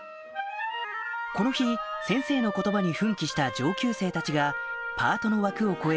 この日先生の言葉に奮起した上級生たちがパートの枠を超え